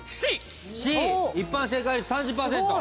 一般正解率３０％。